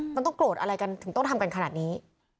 มันต้องโกรธอะไรกันถึงต้องทำกันขนาดนี้